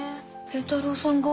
榮太郎さんが？